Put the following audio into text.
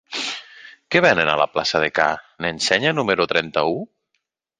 Què venen a la plaça de Ca n'Ensenya número trenta-u?